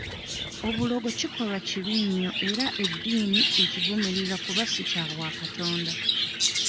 Obulogo kikolwa kibi nnyo era eddiini ekivumirira kuba si kya bwakatonda.